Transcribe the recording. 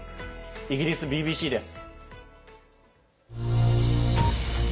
イギリスＢＢＣです。